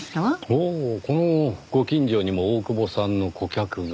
ほうこのご近所にも大久保さんの顧客が。